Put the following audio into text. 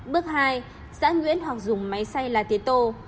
bước hai giã nhuyễn hoặc dùng máy xay lá tế tô